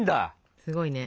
すごいね。